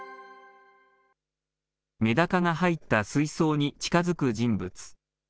メダカが入った水槽に近づく人物。